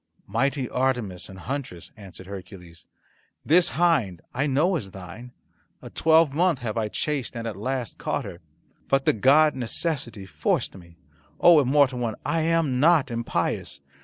"Mighty Artemis and huntress," answered Hercules, "this hind I know is thine. A twelve month have I chased and at last caught her. But the god Necessity forced me! Oh, immortal one, I am not impious.